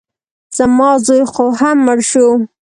زما زوی خو هم مړ شو.